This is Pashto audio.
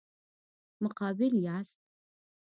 مقابل یاست.